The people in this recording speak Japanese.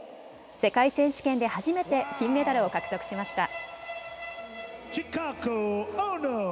世界選手権で初めて金メダルを獲得しました。